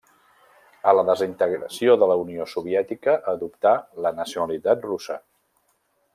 A la desintegració de la Unió Soviètica adoptà la nacionalitat russa.